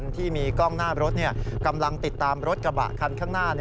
ที่มีกล้องหน้ารถกำลังติดตามรถกระบะคันข้างหน้า